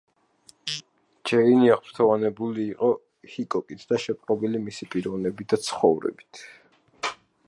ჯეინი აღფრთოვანებული იყო ჰიკოკით და შეპყრობილი მისი პიროვნებით და მისი ცხოვრებით.